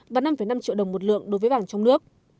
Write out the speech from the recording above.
và năm năm triệu đồng một lượng đối với vàng trong nước